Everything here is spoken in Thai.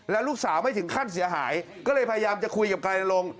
แล้วลูกสาวไม่ถึงขั้นเสียหายก็เลยพยายามจะคุยกับกายนรงค์